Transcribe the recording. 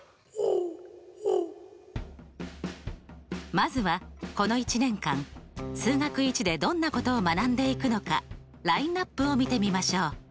まずはこの一年間数学Ⅰでどんなことを学んでいくのかラインナップを見てみましょう。